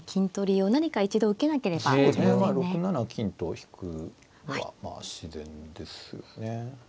まあ６七金と引くのはまあ自然ですね。